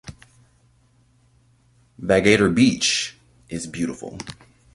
Vagator beach is beautiful.